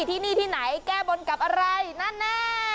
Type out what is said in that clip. ที่นี่ที่ไหนแก้บนกับอะไรแน่